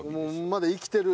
まだ生きてる。